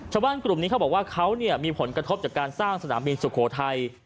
กลุ่มนี้เขาบอกว่าเขามีผลกระทบจากการสร้างสนามบินสุโขทัย